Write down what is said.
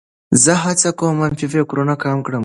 زه هڅه کوم منفي فکرونه کم کړم.